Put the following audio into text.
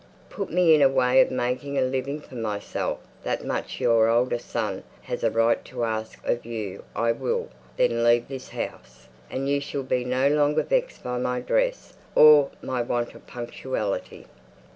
Put me in a way of making a living for myself that much your oldest son has a right to ask of you I will then leave this house, and you shall be no longer vexed by my dress, or my want of punctuality."